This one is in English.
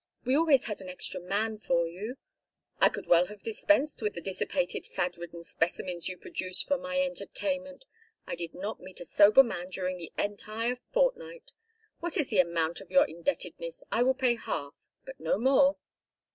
We always had an extra man for you " "I could well have dispensed with the dissipated fad ridden specimens you produced for my entertainment. I did not meet a sober man during the entire fortnight. What is the amount of your indebtedness? I will pay half, but no more."